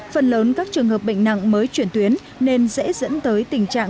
phần lớn các trường hợp bệnh nặng mới chuyển tuyến nên dễ dẫn tới tình trạng